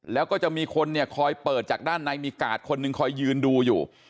แล้วก็จะมีคนเนี่ยคอยเปิดจากด้านในมีกาดคนหนึ่งคอยยืนดูอยู่